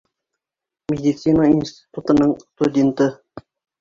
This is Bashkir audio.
Медицина институтының студенты